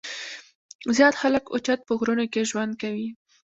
زيات خلک اوچت پۀ غرونو کښې ژوند کوي ـ